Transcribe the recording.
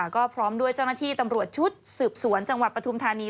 ก็พร้อมด้วยเจ้าหน้าที่ตำรวจชุดสืบสวนจังหวัดปฐุมธานี